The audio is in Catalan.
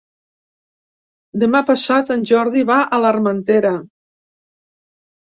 Demà passat en Jordi va a l'Armentera.